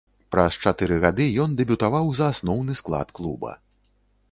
Праз чатыры гады ён дэбютаваў за асноўны склад клуба.